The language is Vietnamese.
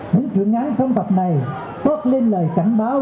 những truyện ngắn trong tập này tốt lên lời cảnh báo